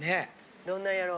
どんなんやろ。